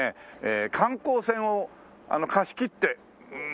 観光船を貸し切ってうーん